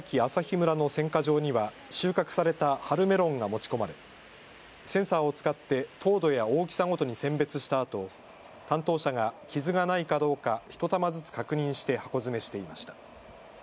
村の選果場には収穫された春メロンが持ち込まれセンサーを使って糖度や大きさごとに選別したあと担当者が傷がないかどうかひと玉ずつ確認して箱詰めしていました。